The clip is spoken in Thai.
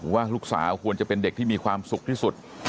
ว่าลูกสาวควรจะเป็นเด็กที่มีความสุขที่สุด